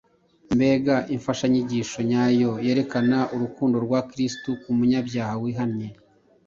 Mbega imfashanyigisho nyayo yerekana urukundo rwa Kristo ku munyabyaha wihannye!